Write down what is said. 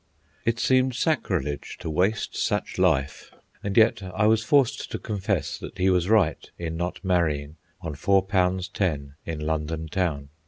It seemed sacrilege to waste such life, and yet I was forced to confess that he was right in not marrying on four pounds ten in London Town.